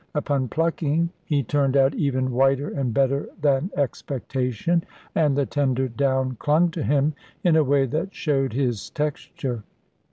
Upon plucking, he turned out even whiter and better than expectation, and the tender down clung to him, in a way that showed his texture.